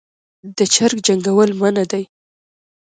د چرګ جنګول منع دي